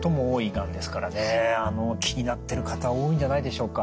気になってる方多いんじゃないでしょうか？